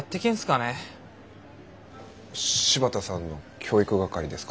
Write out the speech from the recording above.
柴田さんの教育係ですか？